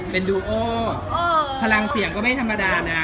เป็นดูโอพลังเสียงก็ไม่ธรรมดานะ